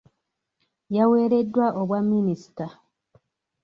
Yaweereddwa obwa minisita.